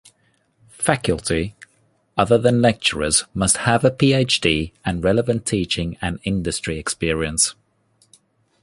Faculty other than lecturers must have a Ph.D. and relevant teaching and industry experience.